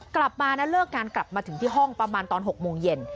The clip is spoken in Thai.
กลับมาแล้วเลิกงานกลับมาถึงที่ห้องประมาณตอน๖โมงเย็น